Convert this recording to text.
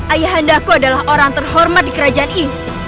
ayah anda aku adalah orang terhormat di kerajaan ini